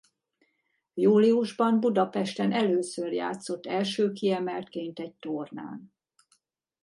Júliusban Budapesten először játszott első kiemeltként egy tornán.